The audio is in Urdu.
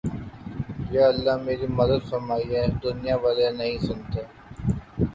یا اللہ میری مدد فرمایہ دنیا والے نہیں سنتے